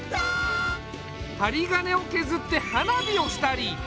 針金を削って花火をしたり。